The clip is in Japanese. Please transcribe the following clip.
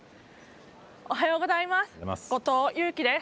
おはようございます。